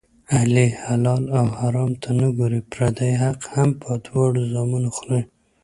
علي حلال او حرام ته نه ګوري، پردی حق هم په دواړو زامو خوري.